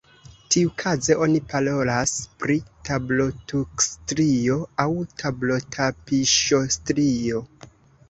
Tiukaze oni parolas pri tablotukstrio aŭ tablotapiŝostrio.